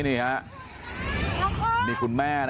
น้องโอมนี่คุณแม่นะครับ